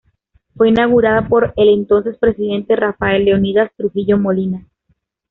Fue inaugurada por el entonces presidente Rafael Leónidas Trujillo Molina.